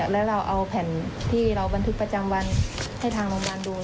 แล้วเราเอาแผ่นที่เราบันทึกประจำวันให้ทางโรงพยาบาลดู